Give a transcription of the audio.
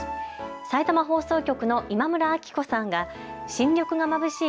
さいたま放送局の今村明子さんが新緑がまぶしい